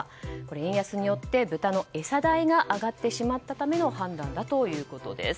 円安によって豚の餌代が上がってしまったための判断だということです。